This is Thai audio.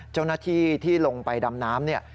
เจ้าหน้าที่ที่ลงไปดำน้ำเนี่ย